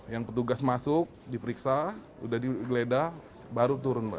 yang petugas masuk diperiksa udah digeledak baru turun mbak